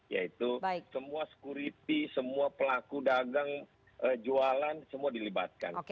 yaitu semua security semua pelaku dagang jualan semua dilibatkan